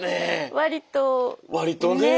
割とね。